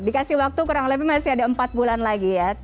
dikasih waktu kurang lebih masih ada empat bulan lagi ya